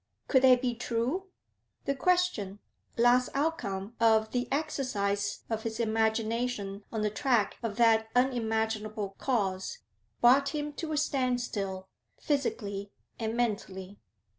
Could they be true? The question, last outcome of the exercise of his imagination on the track of that unimaginable cause, brought him to a standstill, physically and mentally.